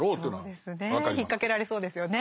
そうですね引っ掛けられそうですよね。